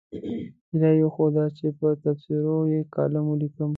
هیله یې وښوده چې پر تبصرو یې کالم ولیکم.